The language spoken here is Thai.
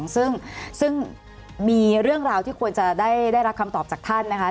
ซึ่งมีเรื่องราวที่ควรจะได้รับคำตอบจากท่านนะคะ